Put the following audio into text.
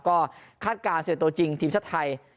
ก็คาดการณ์เสียตัวจริงทีมชาติไทย